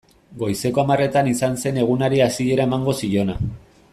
Goizeko hamarretan izan zen egunari hasiera emango ziona.